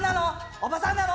おばさんなの？